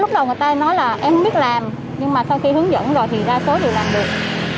lúc đầu người ta nói là em biết làm nhưng mà sau khi hướng dẫn rồi thì ra số đều làm được